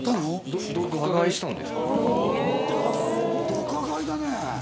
ドカ買いだね。